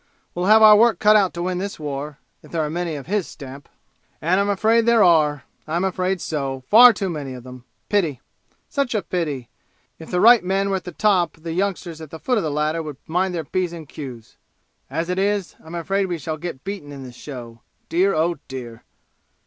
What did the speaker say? We'll have our work cut out to win this war, if there are many of his stamp! And I'm afraid there are I'm afraid so far too many of 'em! Pity! Such a pity! If the right men were at the top the youngsters at the foot of the ladder would mind their P's and Q's. As it is, I'm afraid we shall get beaten in this show. Dear, oh, dear!"